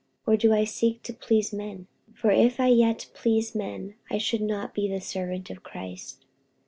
or do I seek to please men? for if I yet pleased men, I should not be the servant of Christ.